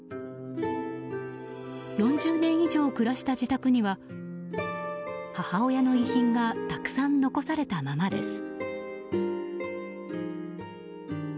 ４０年以上暮らした自宅には母親の遺品がたくさん残されたままです。